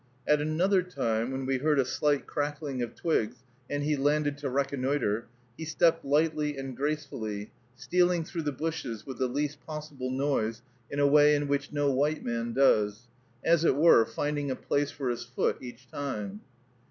At another time, when we heard a slight crackling of twigs and he landed to reconnoitre, he stepped lightly and gracefully, stealing through the bushes with the least possible noise, in a way in which no white man does, as it were, finding a place for his foot each time.